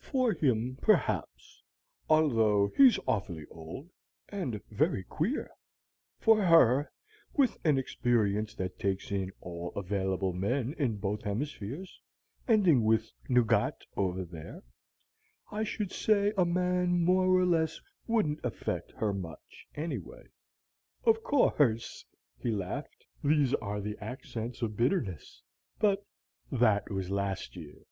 "For him, perhaps; although he's awfully old, and very queer. For her, with an experience that takes in all the available men in both hemispheres, ending with Nugat over there, I should say a man more or less wouldn't affect her much, anyway. Of course," he laughed, "these are the accents of bitterness. But that was last year."